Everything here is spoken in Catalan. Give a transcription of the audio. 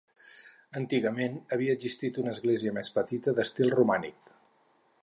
Antigament havia existit una església més petita d'estil romànic.